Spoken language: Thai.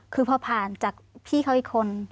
คือพอผ่านจากพี่เขาอีกคน